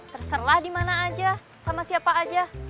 terserah dimana aja sama siapa aja